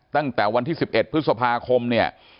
ตั้งแต่วันที่๑๑พฤษภาคมเนี่ย